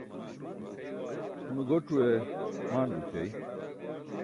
une goc̣ue maan goćai